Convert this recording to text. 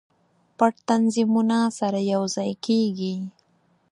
پټ تنظیمونه سره یو ځای کیږي.